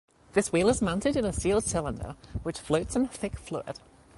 This wheel is mounted in a sealed cylinder, which floats in a thick fluid.